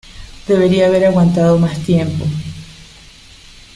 Debería haber aguantado más tiempo.